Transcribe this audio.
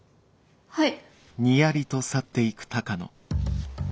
はい。